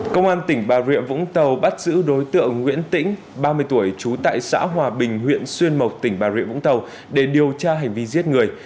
công an tỉnh bà rịa vũng tàu bắt giữ đối tượng nguyễn tĩnh ba mươi tuổi trú tại xã hòa bình huyện xuyên mộc tỉnh bà rịa vũng tàu để điều tra hành vi giết người